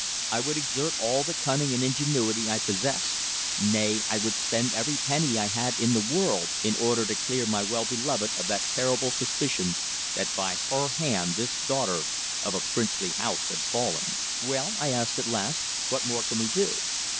I would exert all the cunning and ingenuity I possessed nay, I would spend every penny I had in the world in order to clear my well beloved of that terrible suspicion that by her hand this daughter of a princely house had fallen. "Well," I asked at last. "What more can we do?"